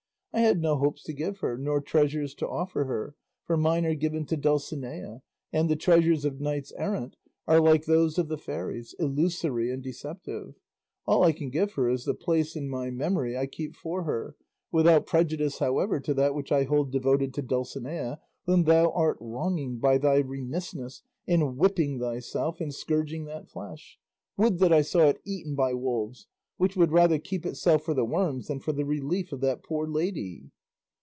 I had no hopes to give her, nor treasures to offer her, for mine are given to Dulcinea, and the treasures of knights errant are like those of the fairies,' illusory and deceptive; all I can give her is the place in my memory I keep for her, without prejudice, however, to that which I hold devoted to Dulcinea, whom thou art wronging by thy remissness in whipping thyself and scourging that flesh would that I saw it eaten by wolves which would rather keep itself for the worms than for the relief of that poor lady."